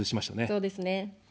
そうですね。